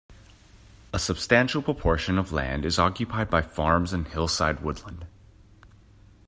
A substantial proportion of land is occupied by farms and hillside woodland.